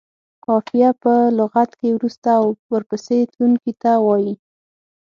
قافیه په لغت کې وروسته او ورپسې تلونکي ته وايي.